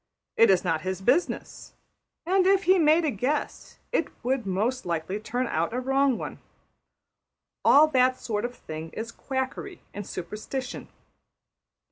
It is not his business, and if he made a guess it would most likely turn out a wrong one. All that sort of thing is quackery and superstition.